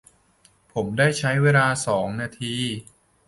ผมได้ใช้เวลา สอง นาที